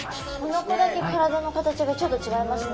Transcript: この子だけ体の形がちょっと違いますね。